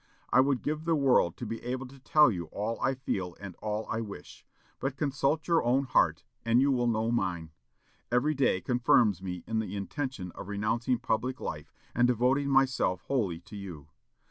I would give the world to be able to tell you all I feel and all I wish; but consult your own heart, and you will know mine.... Every day confirms me in the intention of renouncing public life, and devoting myself wholly to you.